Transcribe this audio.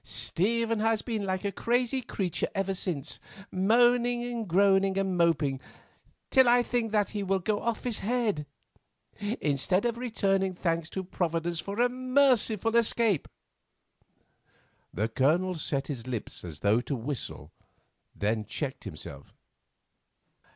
Stephen has been like a crazy creature ever since, moaning, and groaning, and moping till I think that he will go off his head, instead of returning thanks to Providence for a merciful escape." The Colonel set his lips as though to whistle, then checked himself.